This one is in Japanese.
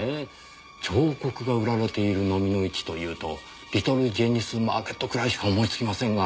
彫刻が売られている蚤の市というとリトルジェニスマーケットくらいしか思いつきませんが。